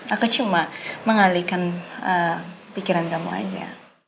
aku cuma mengalihkan pikiran kamu aja